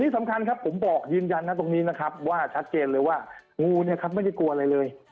สำคัญครับผมบอกยืนยันนะตรงนี้นะครับว่าชัดเจนเลยว่างูเนี่ยครับไม่ได้กลัวอะไรเลย